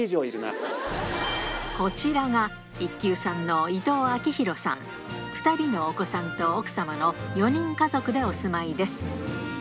こちらが２人のお子さんと奥様の４人家族でお住まいです